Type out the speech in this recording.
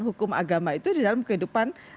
hukum agama itu di dalam kehidupan